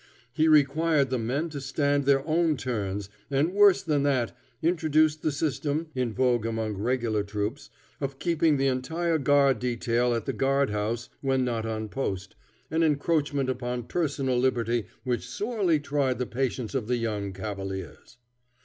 He required the men to stand their own turns, and, worse than that, introduced the system, in vogue among regular troops, of keeping the entire guard detail at the guard house when not on post, an encroachment upon personal liberty which sorely tried the patience of the young cavaliers.